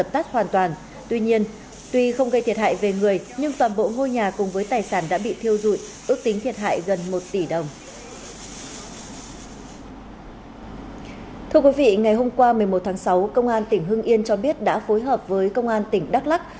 thưa quý vị hôm qua một mươi một tháng sáu công an tỉnh hưng yên cho biết đã phối hợp với công an tỉnh đắk lắc